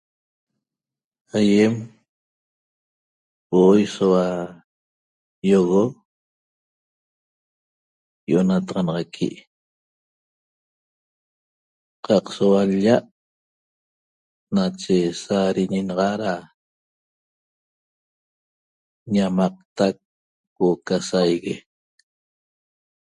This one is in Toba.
Aiem huo'oi soua iogo ionataxanaxaqui qaq soua l-lla nache saariñi naxa ra ñamaqtac huo'o ca saigue